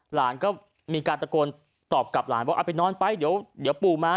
หลานก็มีการตะโกนตอบกับหลานว่าเอาไปนอนไปเดี๋ยวปู่มา